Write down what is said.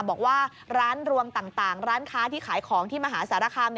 บอกว่าร้านรวมต่างร้านค้าที่ขายของที่มหาสารคาม